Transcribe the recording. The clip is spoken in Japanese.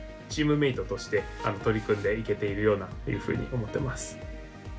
チームメートとして取り組んでいけているようなっていうふうに思ってます。